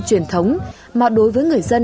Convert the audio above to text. truyền thống mà đối với người dân